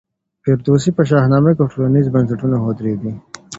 فردوسي په شاهنامه کي ټولنیز بنسټونه ښودلي دي.